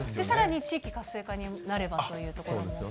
さらに地域活性化になればというところで。